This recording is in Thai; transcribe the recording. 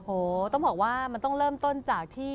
โอ้โหต้องบอกว่ามันต้องเริ่มต้นจากที่